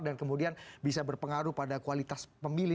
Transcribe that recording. kemudian bisa berpengaruh pada kualitas pemilih